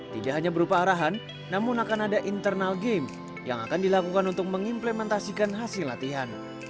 tidak hanya berupa arahan namun akan ada internal game yang akan dilakukan untuk mengimplementasikan hasil latihan